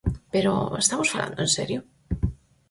Pero, ¿estamos falando en serio?